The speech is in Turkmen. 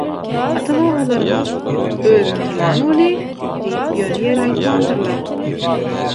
Ata-babalarymyz "özüni tanan weli" diýip ýöne ýere aýtmandyrlar.